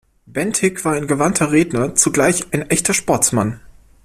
Bentinck war ein gewandter Redner, zugleich ein echter Sportsman.